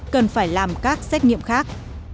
cần phải làm các xét nghiệm khác